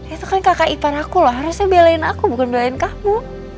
itu kan kakak ipar aku loh harusnya belain aku bukan belain kamu